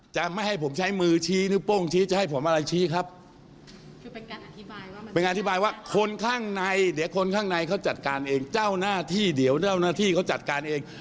จะไม่ให้ผมใช้มือชี้นิ้วโป้งชี้จะให้ผมอะไรชี้ครับคือเป็นการอธิบายว่าเป็นการอธิบายว่าคนข้างในเดี๋ยวคนข้างในเขาจัดการเองเจ้าหน้าที่เดี๋ยวเจ้าหน้าที่เขาจัดการเอง